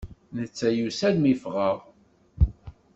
Netta yusa-d mi ffɣeɣ.